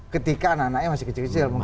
ketika anak anaknya masih kecil kecil mungkin